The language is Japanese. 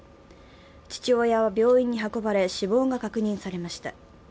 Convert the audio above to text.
父親は病院に運ばれ、死亡が確認されました。